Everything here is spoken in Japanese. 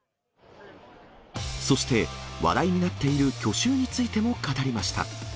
そして、話題になっている去就についても語りました。